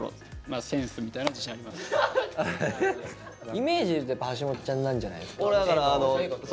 イメージでいうとやっぱはしもっちゃんなんじゃないですか？